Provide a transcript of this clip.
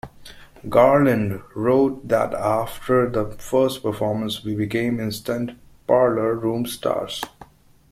Garland wrote that after the first performance, We become instant parlor room stars.